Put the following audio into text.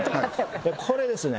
これですね